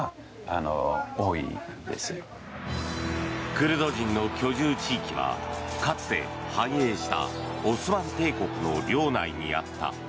クルド人の居住地域はかつて繁栄したオスマン帝国の領内にあった。